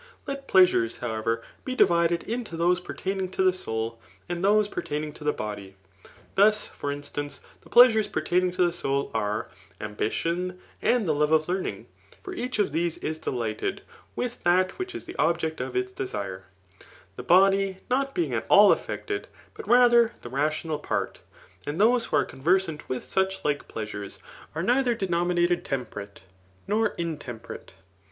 Let pleasures, however, be divided into those pertaining to the soul, and Aose pertaining to the body. Thus, for instance, the pleasures pertaining to the soul are, ambition, and the lore of learning ; for each of these is delighted with that which is the object of its desire, the body not being at all affected, but rather the rational part ; and those who are conversant with such like pleasures, are neither denomi ' aated temperate, nor intemperate.